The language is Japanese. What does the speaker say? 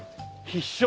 必勝！